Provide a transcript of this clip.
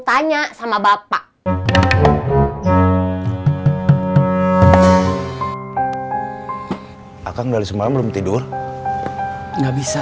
tanya sama bapak dari semarang belum tidur nggak bisa